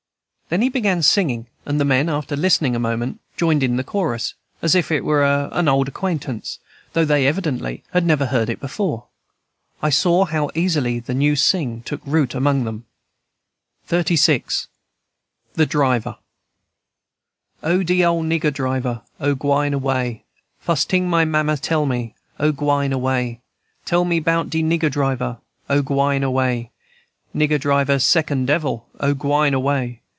Then he began singing, and the men, after listening a moment, joined in the chorus, as if it were an old acquaintance, though they evidently had never heard it before. I saw how easily a new "sing" took root among them. XXXVI. THE DRIVER. "O, de ole nigger driver! O, gwine away! Fust ting my mammy tell me, O, gwine away! Tell me 'bout de nigger driver, O, gwine away! Nigger driver second devil, O, gwine away!